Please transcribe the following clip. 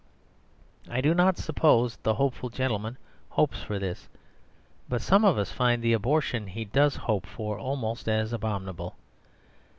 I do not suppose the hopeful gentleman hopes for this; but some of us find the abortion he does hope for almost as abominable.